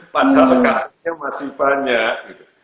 padahal kasusnya masih banyak